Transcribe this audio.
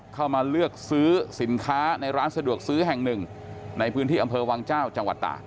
เข้ามาเลือกซื้อสินค้าในร้านสะดวกซื้อแห่งหนึ่งในพื้นที่อำเภอวังเจ้าจังหวัดตาก